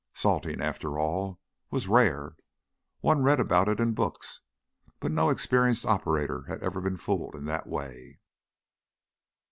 Salting, after all, was rare; one read about it in books, but no experienced operator had ever been fooled in that way.